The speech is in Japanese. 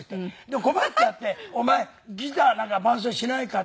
で困っちゃって「お前ギターなんか伴奏しないか？」